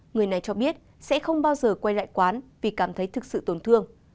người này cho biết sẽ không bao giờ quay lại quán vì cảm thấy thực sự tổn thương